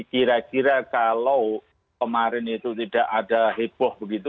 kira kira kalau kemarin itu tidak ada heboh begitu